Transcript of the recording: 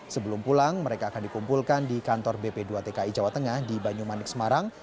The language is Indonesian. sebelum pulang mereka akan dikumpulkan di kantor bp dua tki jawa tengah di banyumanik semarang